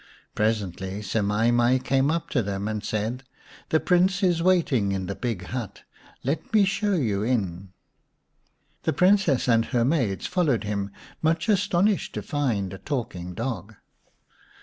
Presently Semai mai came up to them and said, " The Prince is waiting in the big hut, let me show you in." The Princess and her maids followed him, much astonished to find a talking dog.